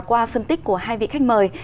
qua phân tích của hai vị khách mời